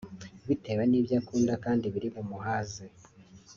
bitewe nibyo akunda kandi biri bumuhaze